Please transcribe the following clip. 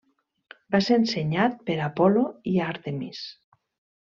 Va ser ensenyat per Apol·lo i Àrtemis.